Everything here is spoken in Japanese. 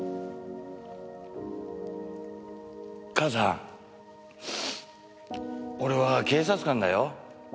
母さん俺は警察官だよ。